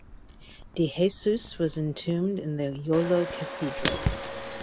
De Jesus was entombed in the Jolo Cathedral.